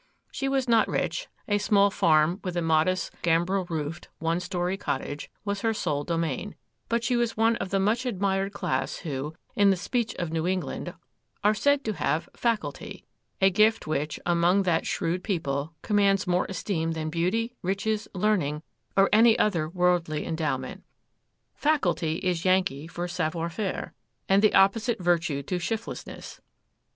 She was not rich,—a small farm, with a modest, 'gambrel roofed,' one story cottage, was her sole domain; but she was one of the much admired class who, in the speech of New England, are said to have 'faculty,'—a gift which, among that shrewd people, commands more esteem than beauty, riches, learning, or any other worldly endowment. Faculty is Yankee for savoir faire, and the opposite virtue to shiftlessness.